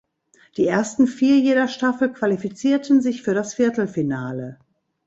Die ersten vier jeder Staffel qualifizierten sich für das Viertelfinale.